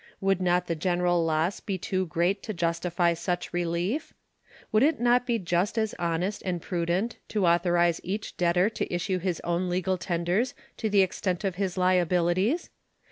Would not the general loss be too great to justify such relief? Would it not be just as honest and prudent to authorize each debtor to issue his own legal tenders to the extent of his liabilities?